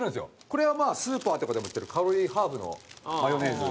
これはまあスーパーとかでも売ってるカロリーハーフのマヨネーズ。